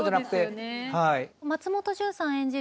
松本潤さん演じる